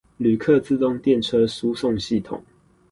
旅客自動電車輸送系統